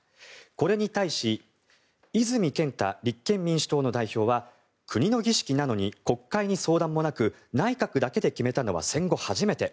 これに対し、泉健太立憲民主党の代表は国の儀式なのに国会に相談もなく内閣だけで決めたのは戦後初めて。